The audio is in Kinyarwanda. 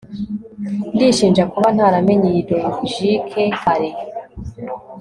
ndishinja kuba ntaramenye iyi logique kare